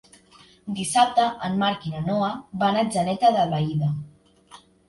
Dissabte en Marc i na Noa van a Atzeneta d'Albaida.